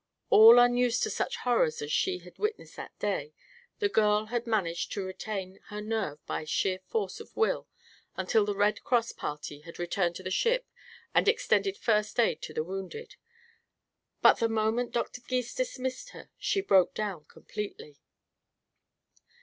All unused to such horrors as she had witnessed that day, the girl had managed to retain her nerve by sheer force of will until the Red Cross party had returned to the ship and extended first aid to the wounded; but the moment Dr. Gys dismissed her she broke down completely.